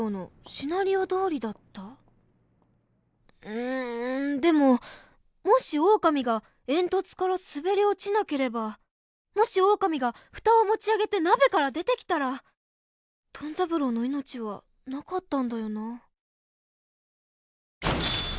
うんでももしオオカミが煙突から滑り落ちなければもしオオカミが蓋を持ち上げて鍋から出てきたらトン三郎の命はなかったんだよな。